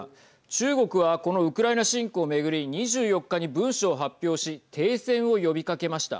中国はこのウクライナ侵攻を巡り２４日に文書を発表し停戦を呼びかけました。